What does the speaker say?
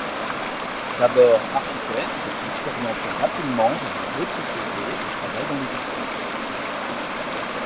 D'abord architecte, il s'oriente rapidement vers les jeux de société et travaille dans l’édition.